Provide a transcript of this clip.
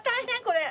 これ。